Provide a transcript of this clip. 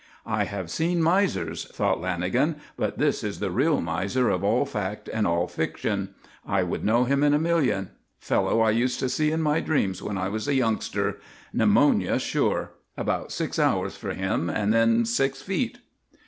"I have seen misers," thought Lanagan, "but this is the real miser of all fact and all fiction. I would know him in a million. Fellow I used to see in my dreams when I was a youngster. Pneumonia sure. About six hours for him and then six feet."